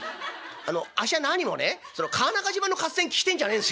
あっしはなにもね川中島の合戦聞きてえんじゃねえんですよ。